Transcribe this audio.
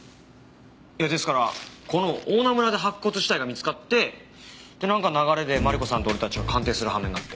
いやですからこの大菜村で白骨死体が見つかってでなんか流れでマリコさんと俺たちが鑑定するはめになって。